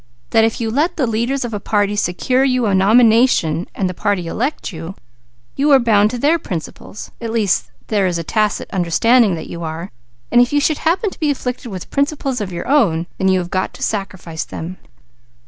That if you let the leaders of a party secure you a nomination, and the party elect you, you are bound to their principles, at least there is a tacit understanding that you are, and if you should happen to be afflicted with principles of your own, then you have got to sacrifice them."